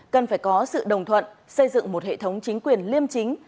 cần phải có sự đồng thuận xây dựng một hệ thống chính quyền liêm chính